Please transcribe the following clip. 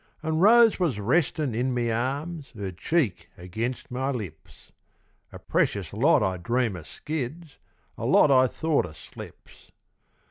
An' Rose was restin' in me arms, 'Er cheek against my lips. A precious lot I dream of skids, A lot I thought of slips.